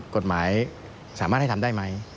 กฎหมายสามารถให้ทำได้ไหม